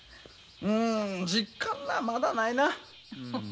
うん実感らまだないな。